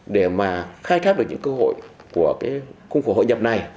để mà khai thác được những cơ hội của cái khung khổ hội nhập này